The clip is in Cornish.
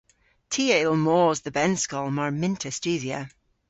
Ty a yll mos dhe bennskol mar mynn'ta studhya.